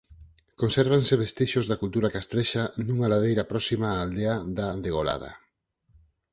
Consérvanse vestixios da cultura castrexa nunha ladeira próxima a aldea da Degolada.